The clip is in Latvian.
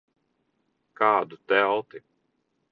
Kādu telti?